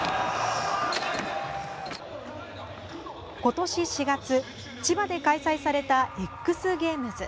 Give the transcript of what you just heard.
今年４月千葉で開催された「ＸＧａｍｅｓ」。